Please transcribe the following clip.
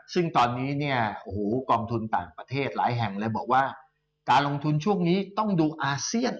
ซึ่งตอนนี้เนี่ยโอ้โหกองทุนต่างประเทศหลายแห่งเลยบอกว่าการลงทุนช่วงนี้ต้องดูอาเซียน